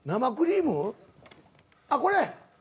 あっこれ。